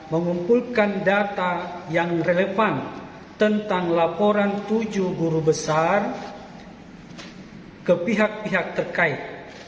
mengumpulkan data yang relevan tentang laporan tujuh guru besar ke pihak pihak terkait